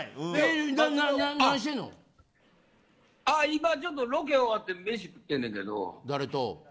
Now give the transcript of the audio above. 今ちょっとロケ終わって飯食ってんねんけど。